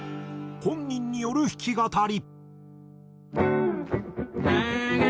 本人による弾き語り。